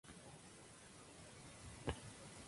Nació en La Habana, hijo de inmigrantes italianos.